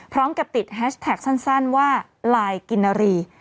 พร้อมกับติดแฮชแท็กสั้นว่าลายกินนารี